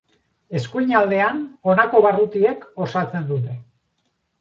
Eskuinaldean honako barrutiek osatzen dute.